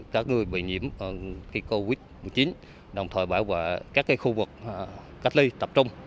các người bị nhiễm covid một mươi chín đồng thời bảo vệ các khu vực cách ly tập trung